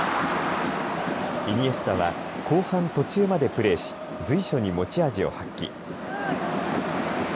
イニエスタは後半途中までプレーし随所に持ち味を発揮。